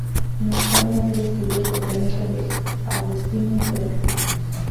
En España, ha sido distribuido por Planeta DeAgostini Interactive.